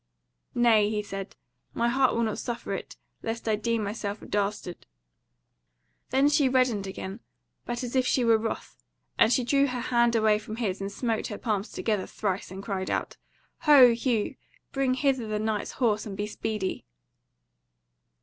"Nay," he said, "my heart will not suffer it; lest I deem myself a dastard." Then she reddened again, but as if she were wroth; and she drew her hand away from his and smote her palms together thrice and cried out: "Ho Hugh! bring hither the Knight's horse and be speedy!"